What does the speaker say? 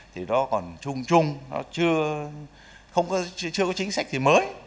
thì nó còn trung trung nó chưa không có chưa có chính sách thì mới